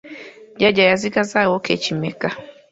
Jjajja yasigazaawo keeki mmeka?